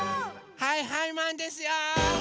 はいはいマンですよ！